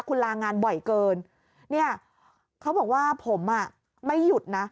คุณลางานบ่อยเกินเนี่ยเขาบอกว่าผมอ่ะไม่หยุดนะ